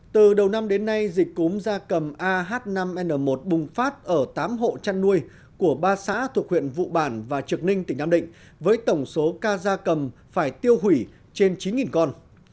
từ đầu năm đến nay dịch cúm da cầm ah năm n một bùng phát ở tám hộ chăn nuôi của ba xã thuộc huyện vụ bản và trực ninh tỉnh nam định với tổng số ca gia cầm phải tiêu hủy trên chín con